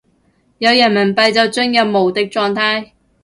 有人民幣就進入無敵狀態